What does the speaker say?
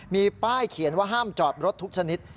มีป้ายเขียนว่าห้ามจอดรถทุกชนิด